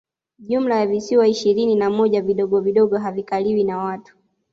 Jumla ya visiwa ishirini na moja vidogo vidogo havikaliwi na watu